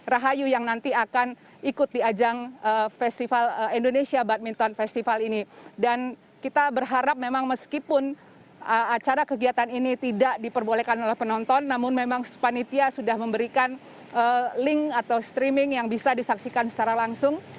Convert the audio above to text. rahayu yang nanti akan ikut di ajang festival indonesia badminton festival ini dan kita berharap memang meskipun acara kegiatan ini tidak diperbolehkan oleh penonton namun memang panitia sudah memberikan link atau streaming yang bisa disaksikan secara langsung